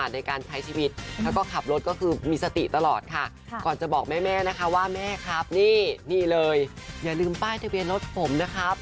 นี่นี่เลยอย่าลืมป้ายทะเบียนรถผมนะครับ